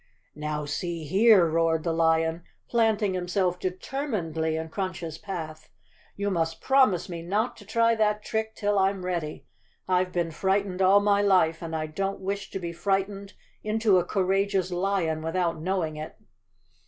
"Now, see here," roared the lion, planting himself determinedly in Crunch's path. " You must promise me not to try that trick till I'm ready. I've been fright¬ ened all my life and I don't wish to be frightened into a courageous lion without knowing it."